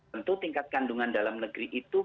tentu tingkat kandungan dalam negeri itu